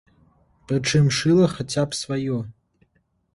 Прычым шыла хаця б сваё.